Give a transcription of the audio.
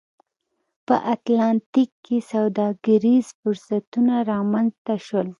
په اتلانتیک کې سوداګریز فرصتونه رامنځته شول.